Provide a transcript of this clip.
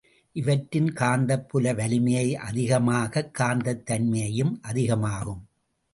இவற்றின் காந்தப் புல வலிமையை அதிகமாகக் காந்தத் தன்மையும் அதிகமாகும்.